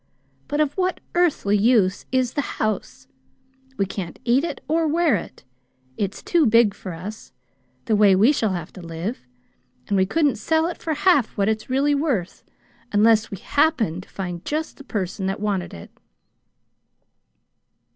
But of what earthly use is the house? We can't eat it, or wear it. It's too big for us, the way we shall have to live; and we couldn't sell it for half what it's really worth, unless we HAPPENED to find just the person that wanted it."